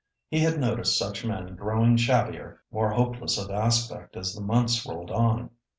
He had noticed such men growing shabbier, more hopeless of aspect as the months rolled on.